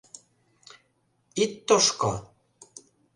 — Ит тошко?